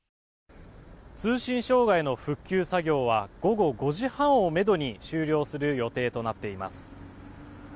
通信障害の復旧作業は午後５時半をめどに終了する予定となっています。